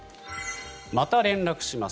また連絡します